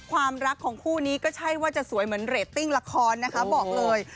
ความรักของคู่นี้ก็ใช่ว่าจะสวยเหมือนเรตติ้งละครนะคะบอกเลย